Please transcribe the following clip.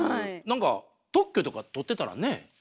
なんか特許とか取ってたらね。